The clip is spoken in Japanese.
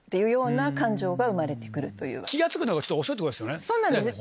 気が付くのがちょっと遅いってことですよね。